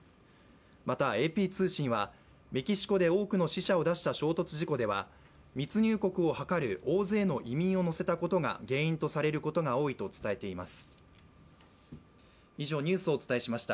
またＡＰ通信ではメキシコで多くの死者を出した衝突事故では大勢の移民を乗せたことが原因とされることが多いと伝えています。